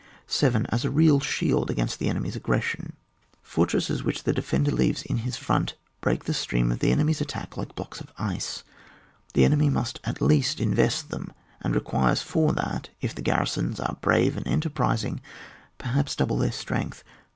7. Ab a real shield against the enemt/^s aggression. Fortresses which the de fender leaves in his front break the stream of the enemy's attack like blocks of ice. The enemy must at least invest them, and requires for that, if the gar risons are brave and enterprising, per haps double their strength.